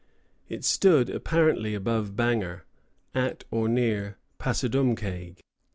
It stood apparently above Bangor, at or near Passadumkeag.